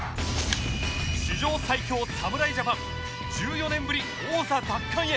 史上最強侍ジャパン１４年ぶり王座奪還へ。